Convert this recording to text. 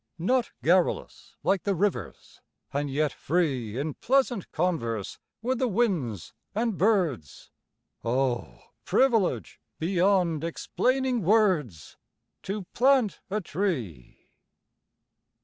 Not garrulous like the rivers; and yet free In pleasant converse with the winds and birds; Oh! privilege beyond explaining words, To plant a tree.